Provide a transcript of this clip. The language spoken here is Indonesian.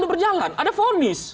berjalan ada vonis